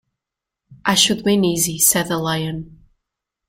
‘I should win easy,’ said the Lion.